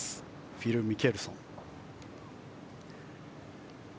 フィル・ミケルソンです。